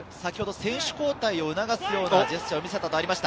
選手交代を促すようなジェスチャーを見せたとありました。